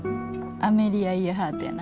アメリア・イヤハートやな。